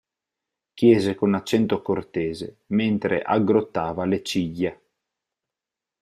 Chiese con accento cortese, mentre aggrottava le ciglia.